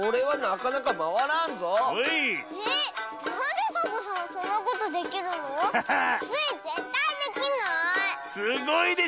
はい。